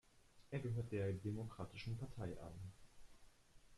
Er gehört der Demokratischen Partei an.